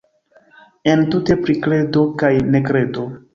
Entute pri kredo kaj nekredo.